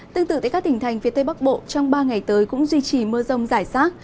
tương tự tại các tỉnh thành phía tây bắc bộ trong ba ngày tới cũng duy trì mưa rông rải rác